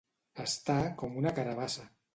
Estar com una carabassa.